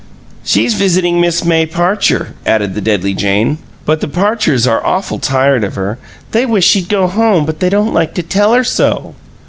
"She's visitin' Miss May Parcher," added the deadly Jane. "But the Parchers are awful tired of her. They wish she'd go home, but they don't like to tell her so."